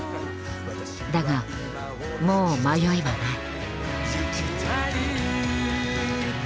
だがもう迷いはない。